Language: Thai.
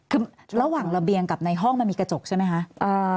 คือระหว่างระเบียงกับในห้องมันมีกระจกใช่ไหมคะ